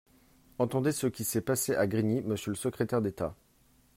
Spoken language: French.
Entendez ce qui s’est passé à Grigny, monsieur le secrétaire d’État